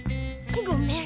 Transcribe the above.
ごめん。